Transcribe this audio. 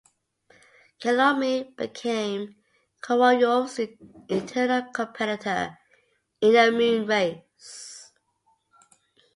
Chelomey became Korolyov's internal competitor in the "Moon race".